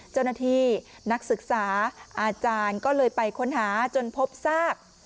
เจ้าหน้าที่นักศึกษาอาจารย์ก็เลยไปค้นหาจนพบซาก